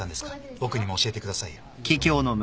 僕にも教えてくださいよ。